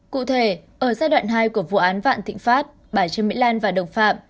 cụ thể ở giai đoạn hai của vụ án vạn thịnh pháp bà trương mỹ lan và đồng phạm